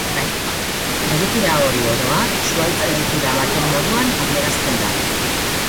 Egitura hori, oro har, zuhaitz egitura baten moduan adierazten da.